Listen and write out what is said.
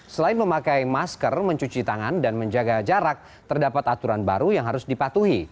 selain memakai masker mencuci tangan dan menjaga jarak terdapat aturan baru yang harus dipatuhi